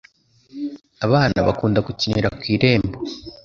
abana bakunda gukinira kw'irembo